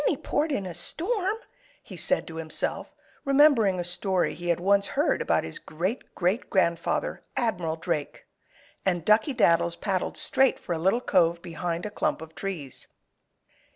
"Any port in a storm," he said to himself, remembering a story he had once heard about his great great grandfather, Admiral Drake. And Duckey Daddles paddled straight for a little cove behind a clump of trees.